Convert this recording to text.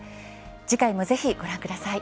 次回もぜひご覧ください。